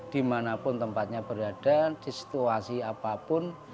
dimanapun tempatnya berada di situasi apapun